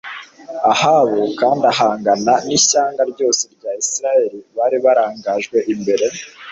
Ahabu kandi ahangana n'ishyanga ryose rya Isirayeli bari barangajwe imbere